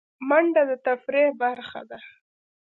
منډه د تفریح برخه ده